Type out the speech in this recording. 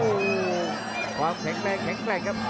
อู้หู้ความแข็งแรงแข็งแกรกครับ